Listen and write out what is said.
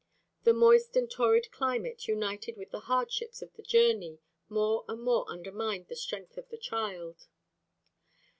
The moist and torrid climate united with the hardships of the journey more and more undermined the strength of the child.